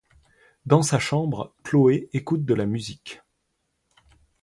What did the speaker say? Dans sa chambre Chloe écoute de la musique.